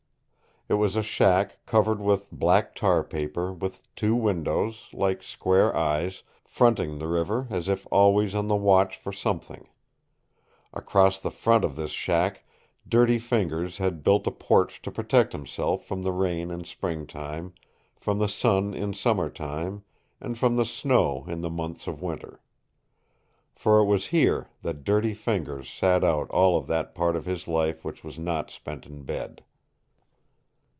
It was a shack covered with black tar paper, with two windows, like square eyes, fronting the river as if always on the watch for something. Across the front of this shack Dirty Fingers had built a porch to protect himself from the rain in springtime, from the sun in Summer time, and from the snow in the months of Winter. For it was here that Dirty Fingers sat out all of that part of his life which was not spent in bed.